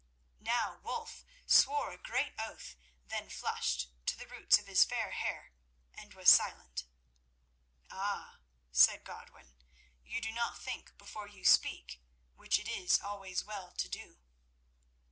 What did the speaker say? Now Wulf swore a great oath, then flushed to the roots of his fair hair, and was silent. "Ah!" said Godwin; "you do not think before you speak, which it is always well to do."